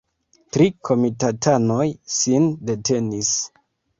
Tri komitatanoj sin detenis.